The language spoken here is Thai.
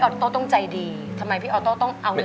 เจอนั้นก็มาคุยกับปุ๊บอุทู